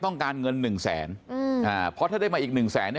ต้องการเงินหนึ่งแสนอืมอ่าเพราะถ้าได้มาอีกหนึ่งแสนเนี่ย